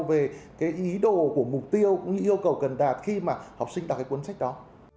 về cái ý đồ của mục tiêu cũng như yêu cầu cần đạt khi mà học sinh đọc cái cuốn sách đó